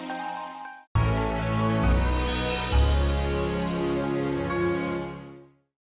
nggak ada yang bisa dikepung